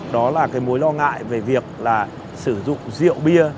đó là mối lo ngại về việc sử dụng rượu bia